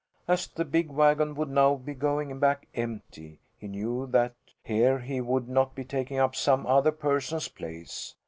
As the big wagon would now be going back empty, he knew that here he would not be taking up some other person's place.